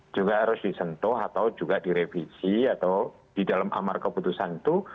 juga harus disentuh atau juga direvisi atau di dalam amar keputusan itu